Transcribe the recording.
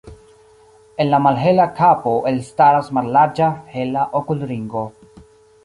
En la malhela kapo elstaras mallarĝa hela okulringo.